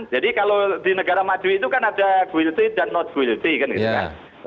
jadi kalau di negara maju itu kan ada guilty dan not guilty kan gitu kan